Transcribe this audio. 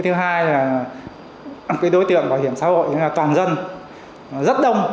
thứ hai là đối tượng bảo hiểm xã hội toàn dân rất đông